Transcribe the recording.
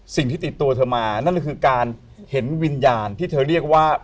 สิ่งที่ติดตัวเธอมานั่นก็คือการเห็นวิญญาณที่เธอเรียกว่า